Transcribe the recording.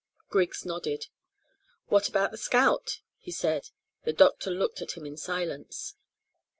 Griggs nodded. "What about the scout?" he said. The doctor looked at him in silence.